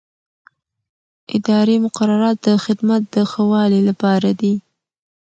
اداري مقررات د خدمت د ښه والي لپاره دي.